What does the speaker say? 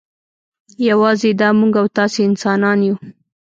یوازې دا موږ او تاسې انسانان یو.